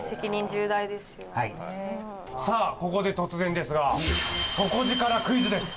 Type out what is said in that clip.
さあここで突然ですが底力クイズです。